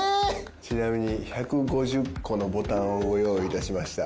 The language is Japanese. ちなみに１５０個のボタンをご用意致しました。